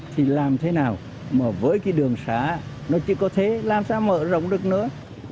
thì làm thế nào mà với cái đường xá nó chỉ có thế làm sao mở rộng được nữa